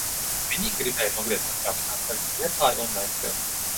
Viņi gribēja nogriezt atkāpšanās ceļu uz Liepāju un Ventspili.